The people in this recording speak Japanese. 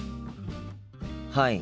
はい。